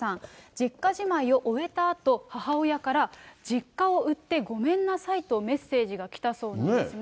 実家じまいを終えたあと、母親から、実家を売ってごめんなさいとメッセージが来たそうなんですね。